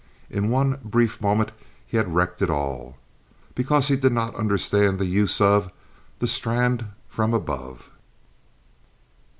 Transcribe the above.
In one brief moment he had wrecked it all because he did not understand the use of the strand from above.